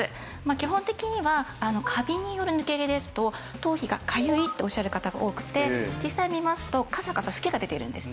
基本的にはカビによる抜け毛ですと頭皮がかゆいっておっしゃる方が多くて実際見ますとカサカサフケが出ているんですね。